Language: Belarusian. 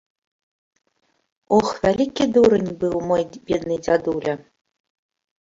Ох, вялікі дурань быў мой бедны дзядуля.